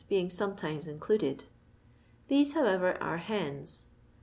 being •ometimei included. These, howoTer, are hens.